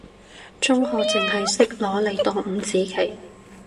中學淨係識攞嚟當五子棋，